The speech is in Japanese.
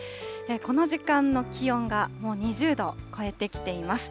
この時間の気温が、もう２０度を超えてきています。